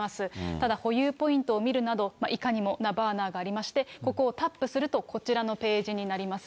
ただ保有ポイントを見るなど、いかにもなバーナーがありまして、ここをタップする、こちらのページになります。